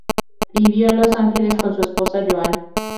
Vivió en Los Ángeles con su esposa Joan.